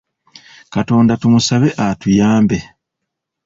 Katonda tumusabe atuyambe.